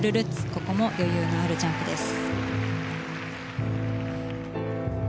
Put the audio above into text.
ここも余裕のあるジャンプです。